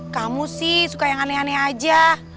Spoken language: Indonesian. kamu sih suka yang aneh aneh aja